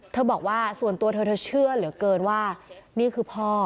บอกว่าส่วนตัวเธอเธอเชื่อเหลือเกินว่านี่คือพ่อ